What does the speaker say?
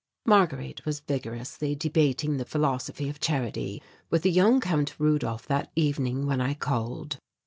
Marguerite was vigorously debating the philosophy of charity with the young Count Rudolph that evening when I called.